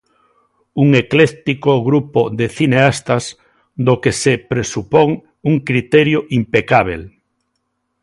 Un ecléctico grupo de cineastas do que se presupón un criterio impecábel.